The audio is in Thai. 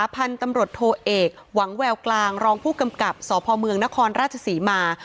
พันธุ์ตำรวจโทเอกหวังแววกลางรองผู้กำกับสพเมืองนครราชศรีมา